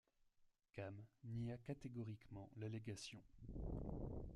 Kam nia catégoriquement l'allégation.